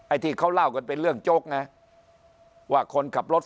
ที่เขาเล่ากันเป็นเรื่องโจ๊กไงว่าคนขับรถ